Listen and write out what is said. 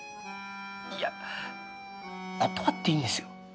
いや断っていいんですよ